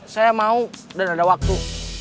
saya mau dan ada waktu